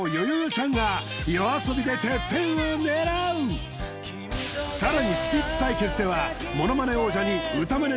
ちゃんがＹＯＡＳＯＢＩでてっぺんを狙うさらにスピッツ対決ではモノマネ王者に歌マネ